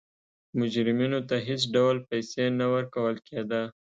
مجرمینو ته هېڅ ډول پیسې نه ورکول کېده.